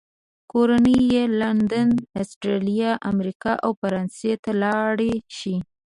کورنۍ یې لندن، استرالیا، امریکا او فرانسې ته لاړې شي.